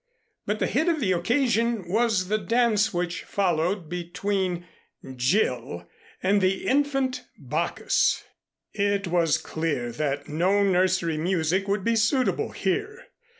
But the hit of the occasion was the dance which followed between Jill and the Infant Bacchus. It was clear that no nursery music would be suitable here.